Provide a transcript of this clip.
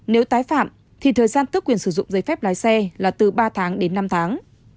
nếu tái phạm thì thời gian tước quyền sử dụng giấy phép lái xe là từ ba tháng đến năm tháng